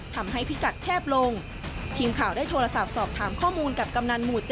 พิกัดแคบลงทีมข่าวได้โทรศัพท์สอบถามข้อมูลกับกำนันหมู่๗